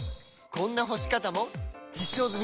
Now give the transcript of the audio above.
こんな干し方も実証済！